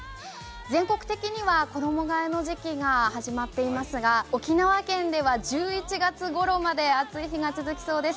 全国的には衣がえの時季が始まっていますが、沖縄県では１１月ごろまで暑い日が続きそうです。